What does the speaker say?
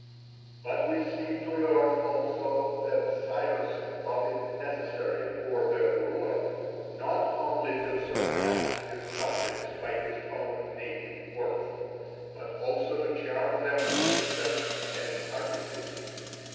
But we seem to learn also that Cyrus thought it necessary for the ruler not only to surpass his subjects by his own native worth, but also to charm them through deception and artifice.